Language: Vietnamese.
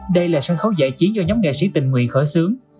đây là sân khấu giải trí do nhóm nghệ sĩ tình nguyện khởi xướng